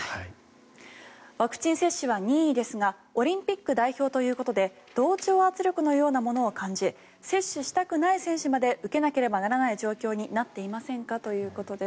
ワクチン接種は任意ですがオリンピック代表ということで同調圧力のようなものを感じ接種したくない選手まで受けなければならない状況になっていませんか？ということです。